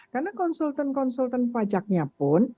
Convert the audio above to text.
karena konsultan konsultan pajaknya pun